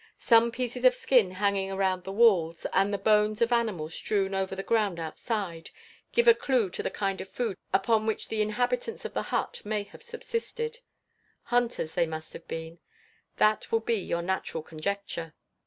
Some pieces of skin hanging around the walls, and the bones of animals strewed over the ground outside, give a clue to the kind of food upon which the inhabitants of the hut may have subsisted. Hunters they must have been. That will be your natural conjecture.